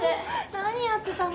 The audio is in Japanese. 何やってたの？